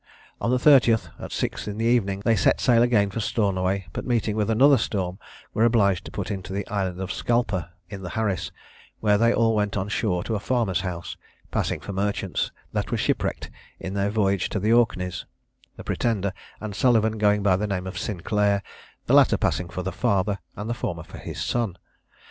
On the 30th, at six in the evening, they set sail again for Stornoway, but meeting with another storm, were obliged to put into the island of Scalpa, in the Harris, where they all went on shore to a farmer's house, passing for merchants that were shipwrecked in their voyage to the Orkneys: the Pretender and Sullivan going by the name of Sinclair, the latter passing for the father, and the former for his son.